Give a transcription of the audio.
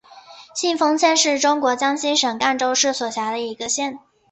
信丰县是中国江西省赣州市所辖的一个县。